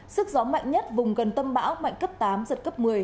sức gió mạnh nhất vùng gần tâm bão mạnh cấp tám giật cấp một mươi